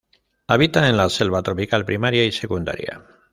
Habita en la selva tropical primaria y secundaria.